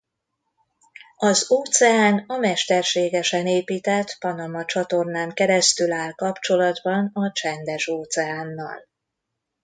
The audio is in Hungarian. Az óceán a mesterségesen épített Panama-csatornán keresztül áll kapcsolatban a Csendes-óceánnal.